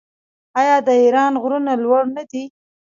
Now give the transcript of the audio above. آیا د ایران غرونه لوړ نه دي؟